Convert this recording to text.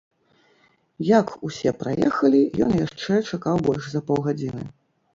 Як усе праехалі, ён яшчэ чакаў больш за паўгадзіны.